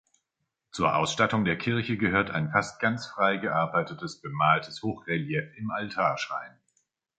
Zur Ausstattung der Kirche gehört ein fast ganz frei gearbeitetes, bemaltes Hochrelief im Altarschrein.